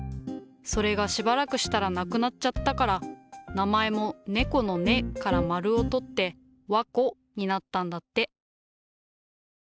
それがしばらくしたらなくなっちゃったから名前も「ねこ」の「ね」から丸を取って「わこ」になったんだって。